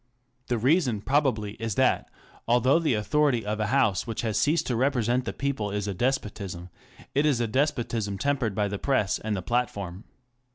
The reason probably is that, although the authority of a House which has ceased to represent the people is a despotism, it is a despotism tempered by the Press and the Platform.